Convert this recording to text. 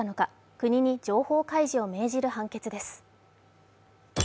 国に情報開示を命じる判決です。